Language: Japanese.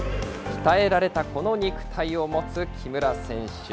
鍛えられたこの肉体を持つ木村選手。